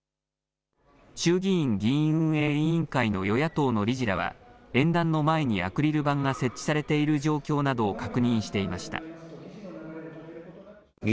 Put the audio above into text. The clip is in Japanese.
衆議院議院運営委員会の与野党の理事らは演壇の前にアクリル板が設置されている状況などを確認していました。